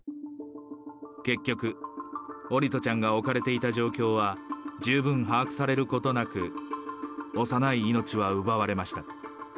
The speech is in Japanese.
結局、桜利斗ちゃんがおかれていた状況は、十分把握されることなく、幼い命は奪われました。